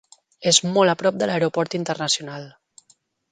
És molt a prop de l'aeroport internacional.